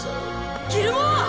ギルモア！